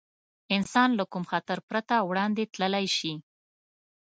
انسان له کوم خطر پرته وړاندې تللی شي.